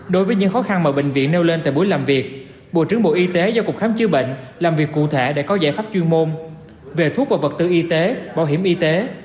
đối với những khó khăn mà bệnh viện nêu lên tại buổi làm việc bộ trưởng bộ y tế giao cục khám chữa bệnh làm việc cụ thể để có giải pháp chuyên môn về thuốc và vật tư y tế bảo hiểm y tế